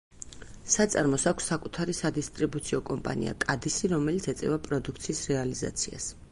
საწარმოს აქვს საკუთარი სადისტრიბუციო კომპანია „კადისი“, რომელიც ეწევა პროდუქციის რეალიზაციას.